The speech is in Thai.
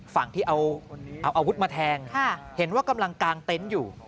ฝั่งที่เอาอาวุธมาแทงเห็นว่ากำลังกางเต็นต์อยู่